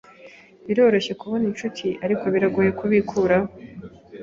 Biroroshye kubona inshuti, ariko biragoye kubikuraho.